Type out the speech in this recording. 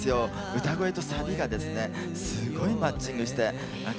歌声とサビがすごいマッチングして。